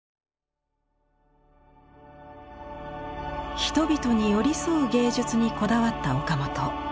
人々に寄り添う芸術にこだわった岡本。